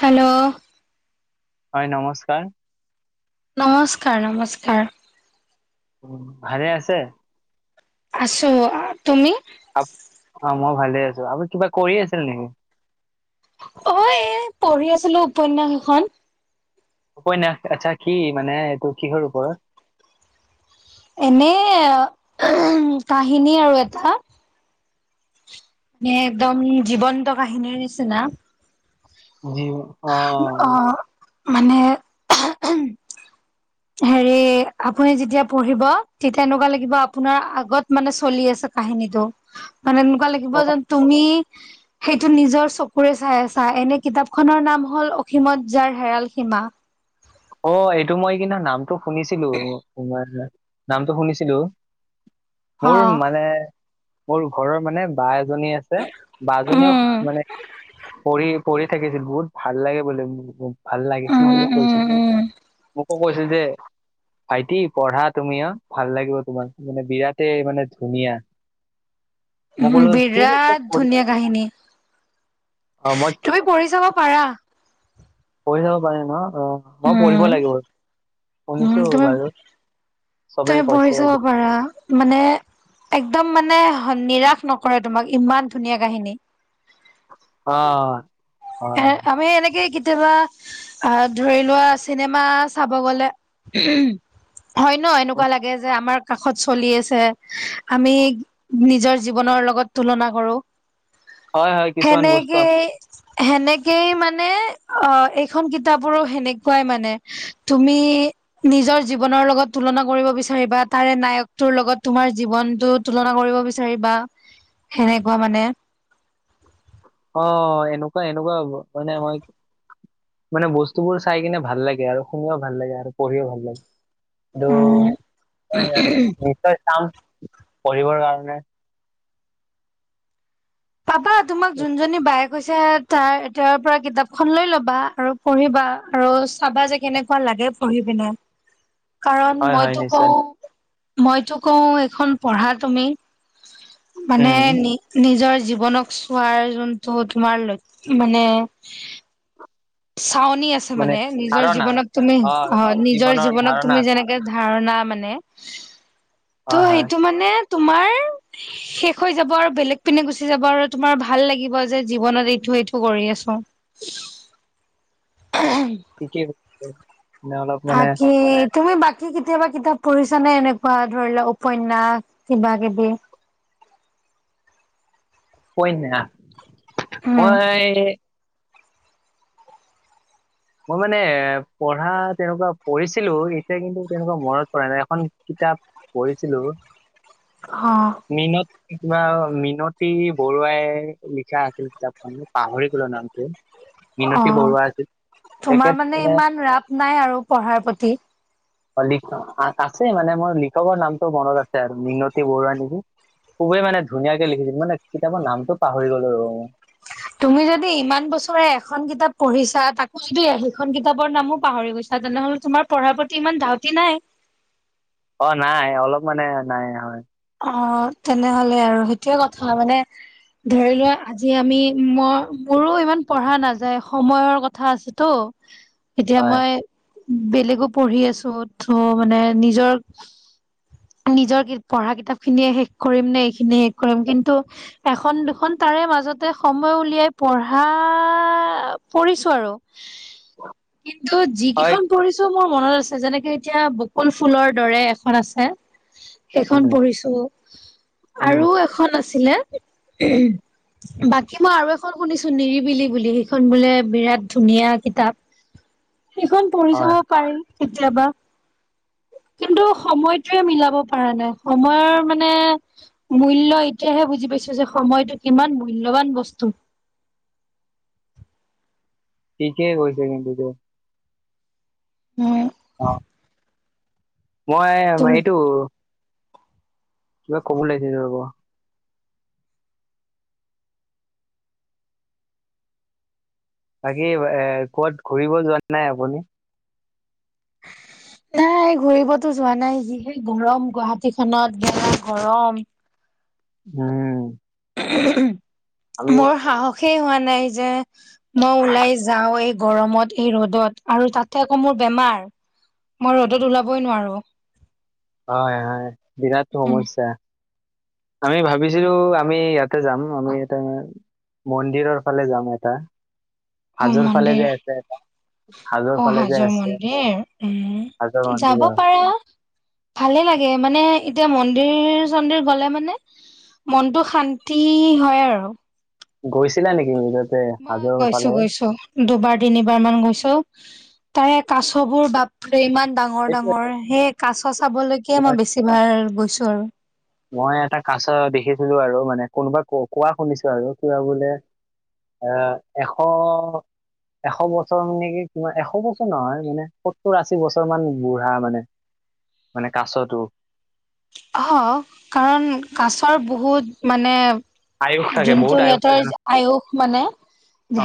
Hello হয় নমস্কাৰ নমস্কাৰ নমস্কাৰ উম ভালে আছে আছো তুমি অহ মই ভালে আছো আপুনি কিবা কৰি আছিল নেকি অহ এ পঢ়ি আছিলো উপন্যাস এখন উপন্যাস আচ্ছা কি মানে এইটোৰ কিহৰ ওপৰত। এনে কাহিনী আৰু এটা মানে একদম জীৱন্ত কাহিনীৰ নিচিনা জি অ। অ মানে হেৰি আপুনি যেতিয়া পঢ়িব তেতিয়া এনেকুৱা লাগিব আপোনাৰ আগত মানে চলি আছে কাহিনীটো মানে এনেকুৱা অ লাগিব যেন তুমি [inaudible] সেইটো নিজৰ চকুৰে চাই আছা এনে কিতাপ খনৰ নাম হল অসীমত যাৰ হেৰাল সীমা [inaudible] অক্ষ এইটো মই কিন্তু নামটো শুনিছিলো নামটো শুনিছিলো মোৰ মানে মোৰ ঘৰৰ মানে বা এ দুজনী আছে অ বাজনীও উম মানে পঢ়ি পঢ়ি থাকিছিল বহুত ভাল লাগে বুলি ভাল লাগিছিল উম বুলি কৈছিল। উম উম আকৌ কৈছিল যে ভাইটি পঢ়া তুমি অহ ভাল লাগিব তোমাৰ মানে বিৰাটেই মানে ধুনীয়া [inaudible] উম ক'লো ঠিক আছে বিৰাট পঢ়ি ধুনীয়া কাহিনী অ মই তুমি পঢ়ি চাব পাৰা পঢ়ি চাব পাৰে ন অহ মই পঢ়িব উম লাগিব উম শুনিছো তুমি বাৰুত তুমি পঢ়ি চাব পাৰা মানে একদম মানে নিৰাশ নকৰে তোমাক ইমান ধুনীয়া কাহিনী অ এ আমি এনেকে কেতিয়াবা আহ ধৰি লোৱা চিনেমা চাব গলে হয় ন এনেকুৱা লাগে যে আমাক। কাষত চলি আছে আমি নিজৰ জীৱনৰ লগত তুলনা কৰো হয় হয় কিছুমান বস্তু সেনেকে আম- সেনেকেই মানে অ এইখন কিতাপৰো সেনেকুৱাই মানে তুমিহ। নিজৰ জীৱনৰ লগত তুলনা কৰিব বিচাৰিবা তাৰে নায়কটোৰ লগত তোমাৰ জীৱনতো তুলনা বিচাৰ সনেকুৱা মানে অ এনেকুৱা এনেকুৱা হ'ব মানে মই মানে বস্তুবোৰ চাই কিনে ভাল লাগে আৰু শুনও ভাল লাগে আৰু পঢ়িও ভাল লাগে উম কিন্তু নিশ্চয় চাম পঢ়িবৰ কাৰণে। পাপা তোমাক যোনজনী বায়েক কৈছে তাই তেওঁৰ পৰা কিতাপ খন লৈ লবা আৰু পঢ়িবা আৰু চাবা যে কেনেকুৱ লাগ তাকে পঢ়ি পিনে [inaudible] কাৰণ হয় হয় মইতো নিশ্চয় কওঁ মইতো কওঁ এইখন পঢ়া তুমি মানে উম নি নিজৰ জীৱনক চোৱাৰ যোনটো তোমাৰ ল মানে চাউনি আছে মানে নিজৰ জীৱনক তুমি অ নিজৰ জীৱনৰ জীৱনক ধাৰণা তুমি যেনেকে ধাৰণা মানে ত' হয় হয় সেইটো মানে তোমাৰ শেষ হৈ যাব আৰু বেলেগ পিনে গুচি যাব আৰু তোমাৰ ভাল লাগিব যে জীৱনত এইটো এইটো কৰি আছো [inaudible] ঠিকেই মানে অলপ মানে বাকী তুমি বাকী কেতিয়াবা কিতাপ পঢ়িছানে এনেকুৱা ধৰি লোৱা উপন্যাস কিবা কিবি পই না উম মই মই মানে এ পঢ়া তেনেকুৱা পঢ়িছিলো এতিয়া কিন্তু তেনেকুৱা মনত প নাই এখন পঢ়িছিলো অ মেহনত কিবা মিনতী বৰুৱাই লিখা আছিল কিতাপখন পাহৰি কলৰ নামটো মিনতী বৰুৱা আছিল অ' তোমাৰ মানে ইমান ৰাপ নাই আৰু পঢ়াৰ প্ৰতি। অ' লিখা আছে মানে। মোৰ লিখকৰ নামটো মনত আছে আৰু মনতি বৰুৱানী। খুবেই মানে ধুনীয়াকে লিখিছিল। মানে কিতাপৰ নামটো পাহৰি গ'লো আৰু তুমি যদি ইমান বছৰে এখন কিতাপ পঢ়িছা তাকো যদি সেইখন কিতাপৰ নামো পাহৰি গৈছা। তেনেহলে তোমাৰ পঢ়াৰ প্ৰতি ইমান ধাউতি নাই অ নাই অলপ মানে নাই হয় অ তেনেহলে আৰু সেইটোয়ে কথা মানে ধৰি লোৱা আজি আমি মই মোৰো ইমান পঢ়া নাযায় সময়ৰ কথা আছেতো এতিয়া হয় মই বেলেগো পঢ়ি আছো ত মানে নিজৰ নিজৰ পঢ়া কিতাপ খিনিয়ে শেষ কৰিম নে এইখিনিয়ে শেষ কৰিম কিন্তু এখন দুখন তাৰে মাজতে সময় উলিয়াই পঢ়া পঢ়িছো আৰু কিন্তু হয় যিকেইখন পঢ়িছো মোৰ মনত আছে। যেনেকে এতিয়া বকুল ফুলৰ দৰে এখন আছে, সেইখন উম, পঢ়িছো। উম, আৰু এখন আছিলে। বাকী মই আৰু এখন শুনিছো নিৰিবিলি বুলি সেইখন বোলে বিৰাট ধুনীয়া কিতাপ [inaudible] সেইখন পঢ়ি চাব হয় পাৰি কেতিয়াবা। [inaudible] কিন্তু সময়টোৱে মিলাব পৰা নাই সময়ৰ মানে মূল্য এতিয়াহে বুজি পাইছো। যে সময়তটো কিমান মূল্যবান বস্তু। [inaudible] ঠিকে কৈছে কিন্তু দেই। উম অ' মই এইটো কিবা কব লাগিছে ন ৰব। বাকী এ ক'ত ঘুৰিব যোৱা নাই আপুনি। [inaudible] নাই ঘুৰিবতো যোৱা নাই যিহে গৰম গুৱাহাটী খনত বেয়া গৰম। উম আমি মোৰ সাহসেই হোৱা নাই যে মই ওলাই যাওঁ‌ এই গৰমত এই ৰ'দত আৰু তাতে আকৌ মোৰ বেমাৰ মই ৰ'দত ওলাবই নোৱাৰো। হয় হয় বিৰাট উম সমস্যা। আমি ভাবিছিলো। আমি ইয়াতে যাম আমি এটা মন্দিৰৰ ফালে যাম এটা অ হাজৰ ফালে মন্দিৰ যায় আছে এটা অ' হাজোৰ মন্দিৰ হাজোৰ উম যাব মন্দিৰৰ পাৰা। ভালে লাগে। মানে এতিয়া মন্দিৰ চন্দিৰ গলে মানে। মনটো শান্তি হয় আৰু গৈছিলা নেকি মাজত? মই গৈছো গৈছো দুবাৰ তিনিবাৰ মান গৈছো। তাৰে কাছ বোৰ বাপৰে ইমান ডাঙৰ এইটো ডাঙৰ সেই কাচ চাবলৈকে মই বেছি ভাৰ গৈছো আৰু মই এটা কাছ দেখিছিলো আৰু মানে কোনোবা কোৱা শুনিছো আৰু কিবা বোলে। এ এশ এশ বছৰ মানে কি এশ বছৰ। নহয় মানে সত্তৰ আশী বছৰ মান বুঢ়া মানে মানে কাছতো অ' কাৰণ কাছৰ বহুত মানে। আয়ুস থাকে বহুত যোনটো আয়ুস সিহঁতৰ থাকে ন আয়ুস মানে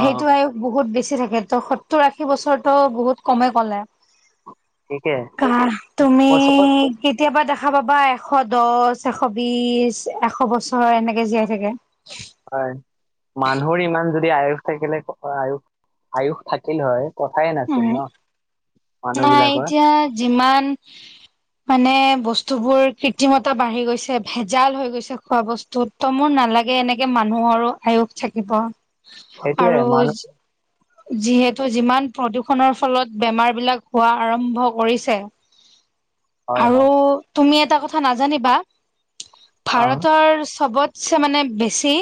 অ সেইটো বহুত বেছি থাকে। সত্তৰ আশী বছৰটো বহুত কমেই ক'লে। ঠিকে কা তুমি মই চবত কেতিয়াবা দেখা পাবা। এশ দহ, এশ বিশ, এশ বছৰ এনেকে জীয়াই থাকে। হয় মানুহৰ ইমান যদি আয়ুস থাকিলে আয়ুস- আয়ুস থাকিল হয়। কথাইে নাছিল উম, ন। মানুহ নাই বিলাকৰ এতিয়া যিমান মানে বস্তু। বস্তুবোৰ কৃত্ৰিমতা বাঢ়ি গৈছে। ভেজাল হৈ গৈছে। খোৱা বস্তুত ত মোৰ নালাগে এনেকে মানুহ মোৰো আয়ুস থাকিব। সেইটোয়ে মানুহ। আৰু যিহেতু যিমান প্ৰদূৰষণৰ ফলত বেমাৰ বিলাক হোৱা আৰম্ভ কৰিছে। [unintelligible] আৰু হয় তুমি এটা কথা নাজানিবা অ ভাৰতৰ চবত সে মানে বেছি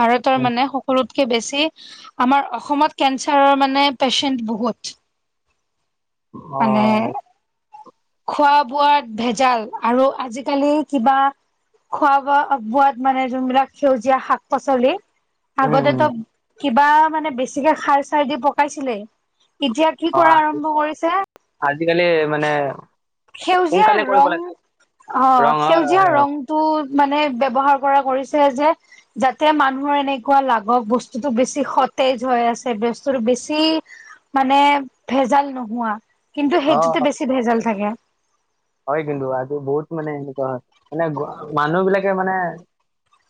ভাৰতৰ উ মানে সকলোতকে বেছি আমাৰ অসমত কেঞ্চাৰৰ মানে পেচেণ্ট বহুত। অ' খোৱা-বোৱাত ভেজাল আৰু আজিকালি কিবা। খোৱা ব বোৱাত মানে যোনবিলাক সেউজীয়া শাক-পাচলি। উম আগতে উম তো কিবা মানে বেছিকে খাৰ চাৰ দি পকাইছিলে। এতিয়া কি অ কৰা আ- আৰম্ভ কৰিছে। আজিকালি মানে। সেউজীয়াৰ সোনকালে কৰিব ৰং লাগে অ' ৰং হয় হয়। সেউজীয়া ৰংটো মানে ব্যৱহাৰ কৰ কৰি যে যাতে মানুহৰ এনেকুৱা লাগক বস্তুতো বেছি সতেজ হৈ আছে। বস্তু বেছি মানে ভেজাল নোহোৱা। কিন্তু অ সেইটোতে বেছি ভেজাল থাকে। হয় কিন্তু আজি বহুত মানে এনেকুৱা হয় মানে মানুহ বিলাকে মানে।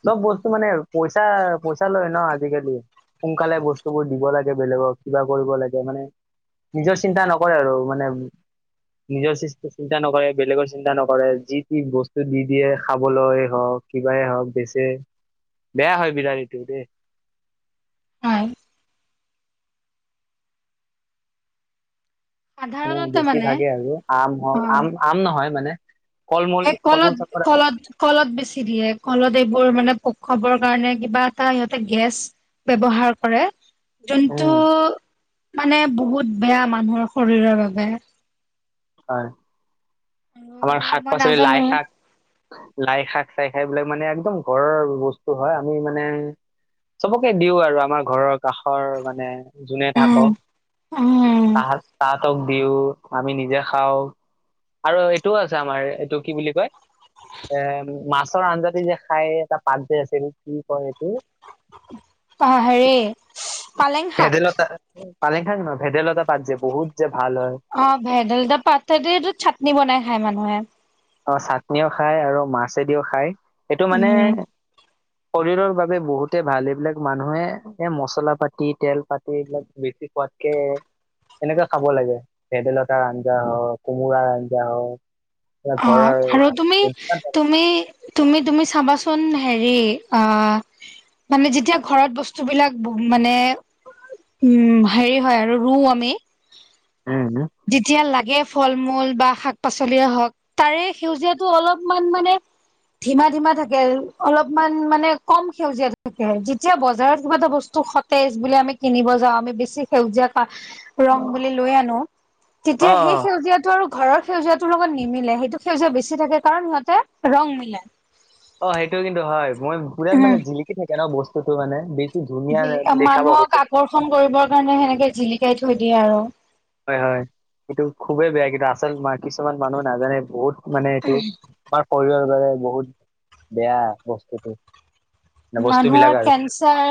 চব বস্তু মানে পইচা-পইচা লয় ন আজিকালি। সোনকালে বস্তুবোৰ দিব লাগে বেলেগক কিবা কৰিব লাগে মানে। নিজৰ চিন্তা নকৰে আৰু মানে নিজৰ চিন্তা নকৰে বেলেগৰ চিন্তা নকৰে যিটি বস্তু দি দিয়ে খাবলৈ হওঁক কিবাই হওঁক বেচি। বেয়া হয় বিলাহী টো দেই হয় মানে বেছি ভাগে আৰু আম হওক অ', আম- আম নহয় মানে। ফল মূল এই ফল মূল চব কলত- কলত -কলত বেছি দিয়ে কলত এইবোৰ মানে পকাবৰ কাৰণে কিবা এটা সিহঁতে গেছ ব্যৱহাৰ কৰে যোনটো উম মানে বহুত বেয়া মানুহৰ শৰীৰৰ বাবে। হয়। আৰু আমাৰ শাক মই পাচলি লাই নাজানো শাক, লাই শাক চাই সেইবিলাক মানে একদম ঘৰৰ বস্তু হয় আমি মানে চবকে দিও আৰু আমাৰ ঘৰৰ কাষৰ মানে যোনে উম, থাকক উম তাহ তাহাতো দিওঁ আমি নিজে খাওঁ আৰু এইটোও আছে আমাৰ এইটো কি বুলি কয় এ মাছৰ আঞ্জা যে খাই এটা পাত যে আছিল কি কয় এইটো। অঁ হেৰি। পালেং শাক ভেদাইলতা পালেং খান ন ভেদাইলতা পাদ যে বহুত যে ভাল হয় অ ভেদলতা পাত চাটনি বনাই খায় মানুহে। অ চাটনিও খায় আৰু মাছেদিও খায় এইটো মানে উম শৰীৰৰ বাবে বহুতে ভাল এইবিলাক মানুহে এ মছলা পাতি তেল পাতি এইবিলাক বেছি। খোৱাতকে এনেকে খাব লাগে ভেদাইলতাৰ আঞ্জা হওক কোমোৰাৰ আঞ্জা হওক। বা অ ঘৰৰ আৰু তুমি- উম তুমি তুমি তুমি চাবাচোন হেৰি অ মানে যেতিয়া ঘৰত বস্তু বিলাক মানে উম হেৰি হয় আৰু ৰুও আমি উম। যেতিয়া লাগে ফল মূল বা শাক পাচলিয়ে হওক তাৰে সেউজীয়াটো অলপমান মানে ধিমা- ধিমা থাকে অলপমান মানে কম সেউজীয়াাত থাকে যেতিয়া বজাৰত কিবা এটা বস্তু সতেজ বুলি আমি কিনিব যাওঁ আমি বেছি সেউজীয়া পাত। ৰং বুলি লৈ আনো অ তেতিয়া সেই সেউজীয়া টো আৰু ঘৰৰ সেউজীয়াটোৰ লগত নিমিলে সেইটো সেউজীয়া বেছি থাকে কাৰণ সিহঁতে ৰং মিলাই অ সেইটো কিন্তু হয় মই পুৰাত মানে জিলিকি থাকে ন বস্তুতটো মানে বিট জিলি, মানুহক আকৰ্ষণ কৰিবৰ কাৰণে সেনেকে জিলিকাই থৈ দিয়ে আৰু হয়- হয় এইটো খুবেই বেয়া কিন্তু আচল মাৰ কিছুমান মানুহ নাজানে বহুত। মানে এইটো আমাৰ শৰীৰৰ বাবে বহুত বেয়া বস্তুটো। বস্তু বিলাক মানুহৰ আৰু কেঞ্চাৰ,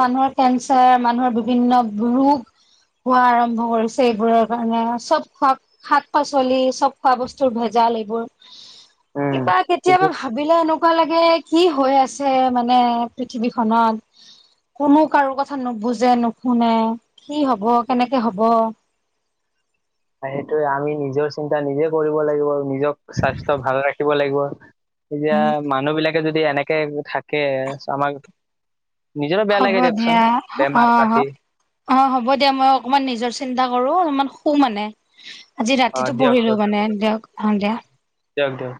মানুহৰ কেঞ্চাৰ মানুহৰ বিভিন্ন ৰোগ খোৱা আৰম্ভ কৰিছে এইবোৰৰ কাৰণে চব খোৱা শাক পাচলি চব খোৱা বস্তুৰ ভেজাল। এইবোৰ। কিবা ঠিকে কেতিয়াবা ভাবিলে এনেকুৱা লাগে কি হৈ আছে। মানে পৃথিৱীখনত কোনো কাৰো কথা নুবুজে নুশুনে কি হব কেনেকে হব। [inaudible] সেইটোয়ে আমি নিজৰ চিন্তা নিজে কৰিব লাগিব নিজক স্বাস্থ্য ভালে ৰাখিব লাগিব। এতিয়া মানুহ বিলাকে যদি এনেকে থাকে আমাৰ হ'ব দিয়া অ পাতি অ হ'ব দিয়া মই অকণমান নিজৰ চিন্তা কৰো অলমান শু- মানে আজি অ ৰাতিটো দিয়ক পঢ়িলো দিয়ক মানে দিয়ক অ দিয়া [unintelligible] দিয়ক দিয়ক